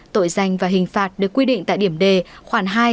tội danh và hình phạt được quy định tại điểm đề khoảng hai